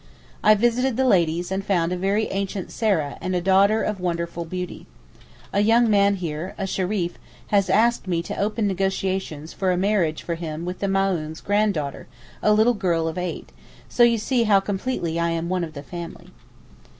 I visited the ladies and found a very ancient Sarah and a daughter of wonderful beauty. A young man here—a Shereef—has asked me to open negotiations for a marriage for him with the Maōhn's grand daughter a little girl of eight—so you see how completely I am 'one of the family.